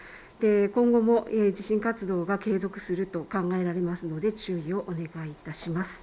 今後も地震活動が継続すると考えられますので注意をお願いいたします。